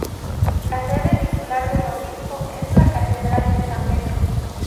La sede titular del obispo es la Catedral de San Pedro.